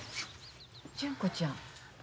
純子ちゃん。